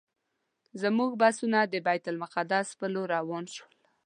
زموږ بسونه د بیت المقدس پر لور روان شول.